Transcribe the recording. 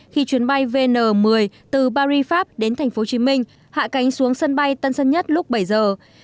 khi chuyến bay vn một mươi từ paris phape đến thành phố hồ chí minh hạ cánh xuống sân bay tân sân nhất lúc bảy giờ